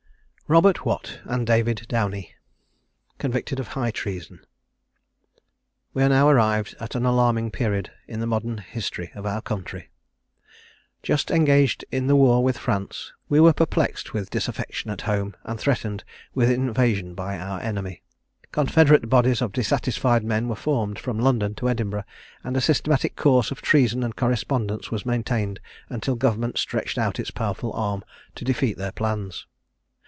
ROBERT WATT AND DAVID DOWNIE. CONVICTED OF HIGH TREASON. We are now arrived at an alarming period in the modern history of our country. Just engaged in the war with France, we were perplexed with disaffection at home, and threatened with invasion by our enemy. Confederate bodies of dissatisfied men were formed, from London to Edinburgh, and a systematic course of treason and correspondence was maintained until government stretched out its powerful arm to defeat their plans.